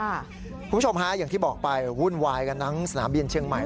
คุณผู้ชมฮะอย่างที่บอกไปวุ่นวายกันทั้งสนามบินเชียงใหม่